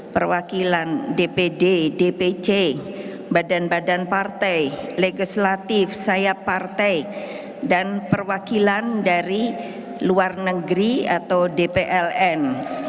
perwakilan dpd dpc badan badan partai legislatif saya partai dan perwakilan dari luar negeri atau dpln